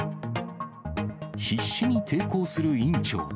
必死に抵抗する院長。